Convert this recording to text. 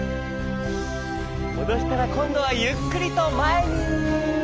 もどしたらこんどはゆっくりとまえに。